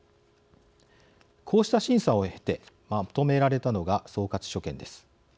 こうした審査を経てまとめられたのが総括所見です。